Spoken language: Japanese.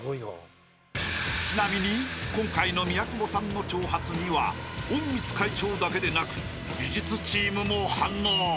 ［ちなみに今回の宮久保さんの挑発には隠密会長だけでなく美術チームも反応］